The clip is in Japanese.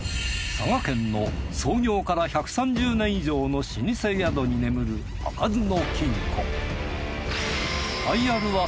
佐賀県の創業から１３０年以上の老舗宿に眠る開かずの金庫